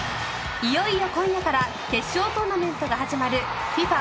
いよいよ今夜から決勝トーナメントが始まるＦＩＦＡ